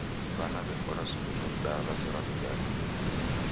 W'ana w'ekora sukulu da w'azerwa w'igale